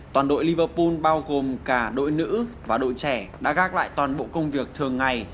toàn đội liverpool bao gồm cả đội nữ và đội trẻ đã gác lại toàn bộ công việc thường ngày